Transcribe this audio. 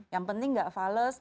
yang penting nggak fales